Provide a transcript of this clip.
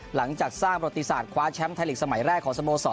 หลังจากสร้างประติศาสตร์คว้าแชมป์ไทยลีกสมัยแรกของสโมสร